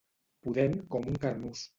Pudent com un carnús.